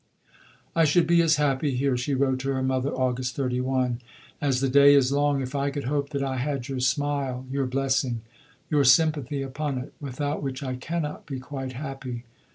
"I should be as happy here," she wrote to her mother (August 31), "as the day is long, if I could hope that I had your smile, your blessing, your sympathy upon it; without which I cannot be quite happy.